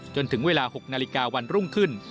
จนถึงเวลา๖นาฬิกาวันรุ่งขึ้น